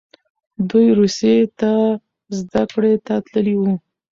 دوی روسیې ته زده کړې ته تللي وو.